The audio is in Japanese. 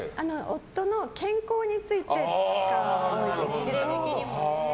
夫の健康についてが多いですけど。